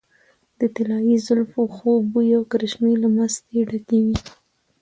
د طلايي زلفو خوږ بوي او کرشمې له مستۍ ډکې وې .